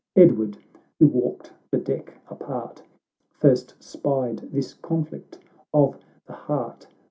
Edward, who walked the deck apart, First spied this conflict of the heart.